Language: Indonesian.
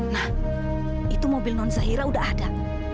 nah itu mobil non zahira udah ada